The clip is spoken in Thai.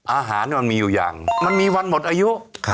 มันมีอยู่อย่างมันมีวันหมดอายุ